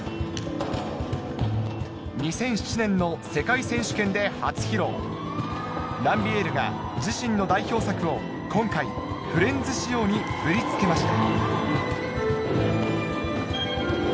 ２００７年の世界選手権で初披露ランビエールが自身の代表作を今回『フレンズ』仕様に振り付けました